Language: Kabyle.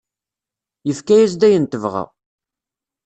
Yefka-as-d ayen tebɣa.